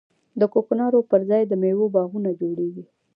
د کوکنارو پر ځای د میوو باغونه جوړیږي.